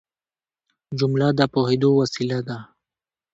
جمله د پوهېدو وسیله ده.